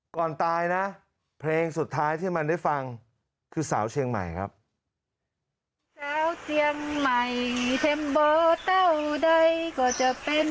ก่อนตายนะเพลงสุดท้ายที่มันได้ฟังคือสาวเชียงใหม่ครับ